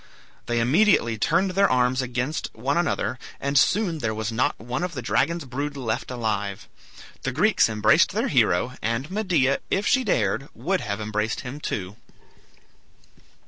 They immediately turned their arms against one another, and soon there was not one of the dragon's brood left alive. The Greeks embraced their hero, and Medea, if she dared, would have embraced him too.